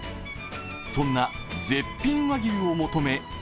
そんな絶品和牛を求め